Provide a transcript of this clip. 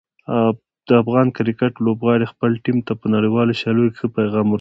د افغان کرکټ لوبغاړي خپل ټیم ته په نړیوالو سیالیو کې ښه پیغام ورکوي.